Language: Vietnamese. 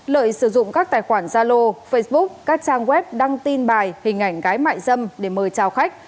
lợi sử dụng các tài khoản gia lô facebook các trang web đăng tin bài hình ảnh gái mại dâm để mời trao khách